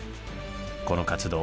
この活動